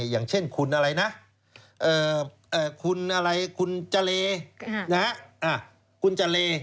อย่างเช่นคุณอะไรนะคุณอะไรคุณจาเลนะครับ